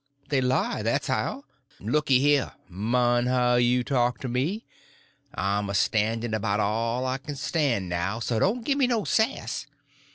"They lie—that's how." "Looky here—mind how you talk to me; I'm a standing about all I can stand now—so don't gimme no sass.